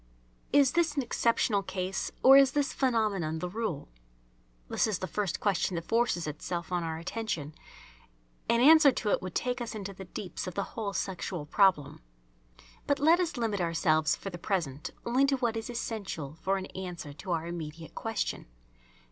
Is this an exceptional case, or is this phenomenon the rule? This is the first question that forces itself on our attention. An answer to it would take us into the deeps of the whole sexual problem. But let us limit ourselves for the present only to what is essential for an answer to our immediate question.